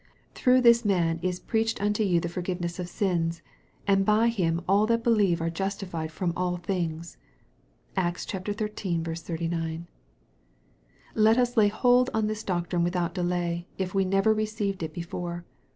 " Through this man is preached unto you the forgiveness of sins ; and by Him all that believe are justified from all things." (Acts xiii. 39.) Let us lay hold on this doctrine without delay, if we never received it before.